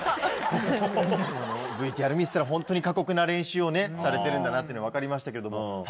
ＶＴＲ見てたらホントに過酷な練習をされてるんだなっていうの分かりましたけれども。